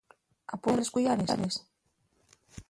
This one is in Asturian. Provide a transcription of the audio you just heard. ¿Apúrresme les cuyares?